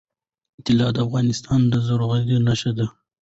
طلا د افغانستان د زرغونتیا نښه ده.